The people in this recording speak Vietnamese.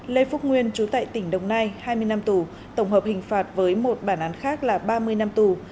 lê phúc nguyên chú tại tỉnh đồng nai hai mươi năm tù tổng hợp hình phạt với một bản án khác là ba mươi năm tù